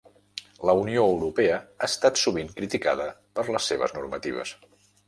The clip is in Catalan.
La Unió Europea ha estat sovint criticada per les seves normatives.